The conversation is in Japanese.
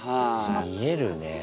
見えるね。